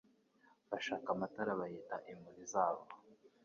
Bashaka amatara bayita imuri zabo